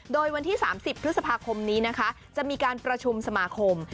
โดยวันที่๓๐พฤษภาคมนี้นะคะจะมีการประชุมสมาคม